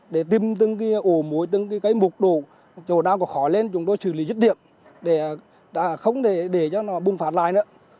để tìm từng cái ổ mối từng cái mục đồ chỗ nào có khó lên chúng tôi xử lý dứt điện để không để cho nó bùng phát lại nữa